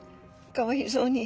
かわいそうに。